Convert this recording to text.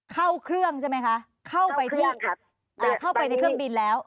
เข้าเครื่องใช่ไหมคะเข้าไปในเครื่องบินแล้ว